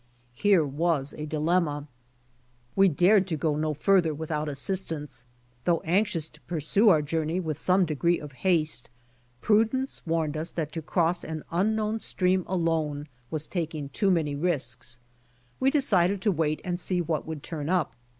Here was a dilemma. We 60 F'ORDING A DANGEKOUS STREAM 61 dared to go no further without assistance, though anxious to pursue our journey with some degree of haste, prudence warned us that to cross an unknown stream alone was taking too many risks. .We decided to wait and see what would turn up.